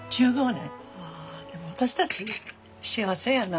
私たち幸せやな。